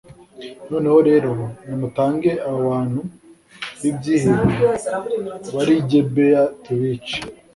noneho rero, nimutange abo bantu b'ibyihebe bari i gibeya tubice